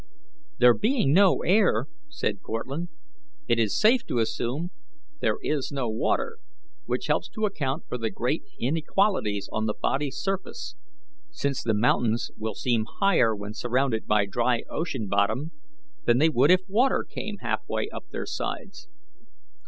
"There being no air," said Cortlandt, "it is safe to assume there is no water, which helps to account for the great inequalities on the body's surface, since the mountains will seem higher when surrounded by dry ocean bottom than they would if water came halfway up their sides.